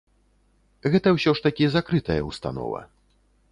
Гэта ўсё ж такі закрытая ўстанова.